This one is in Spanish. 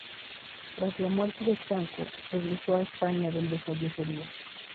Tras la muerte de Franco regresó a España, donde fallecería.